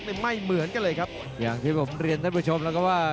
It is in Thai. ไม่เหมือนกันเลยครับอย่างที่ผมเรียนท่านผู้ชมแล้วก็ว่า